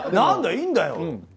いいんだよ。